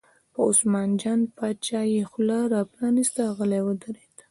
په عثمان جان باچا یې خوله را پرانسته، غلی ودرېد.